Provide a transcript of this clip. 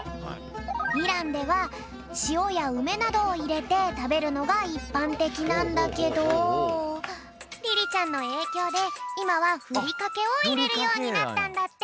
イランではしおやうめなどをいれてたべるのがいっぱんてきなんだけどリリちゃんのえいきょうでいまはふりかけをいれるようになったんだって。